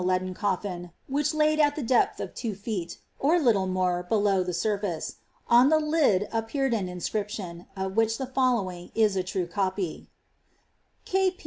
leaden coffin, which laid at the depth of two feet, or little more, odow the surface. On the lid appeared an inscription, of which the fol!owiii| is a true copy :— K. P.